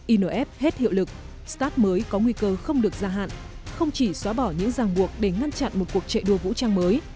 inf hết hiệu lực start mới có nguy cơ không được gia hạn không chỉ xóa bỏ những ràng buộc để ngăn chặn một cuộc chạy đua vũ trang mới